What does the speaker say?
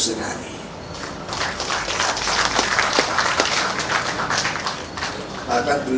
saya sudah lama kenal